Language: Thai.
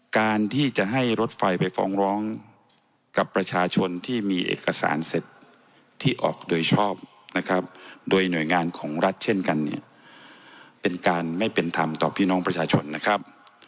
การที่จะให้รถไฟไปฟ้องร้องกับประชาชนที่มีเอกสารสิทธิ์ที่ออกโดยชอบนะครับโดยหน่วยงานของรัฐเช่นกันเนี่ยเป็นการไม่เป็นธรรมต่อพี่น้องประชาชนนะครับ